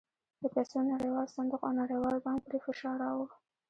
د پیسو نړیوال صندوق او نړیوال بانک پرې فشار راووړ.